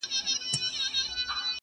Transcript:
o توري چرگي سپيني هگۍ اچوي٫